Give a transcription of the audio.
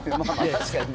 確かにね。